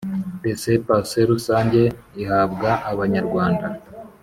Laissez passer rusange ihabwa abanyarwanda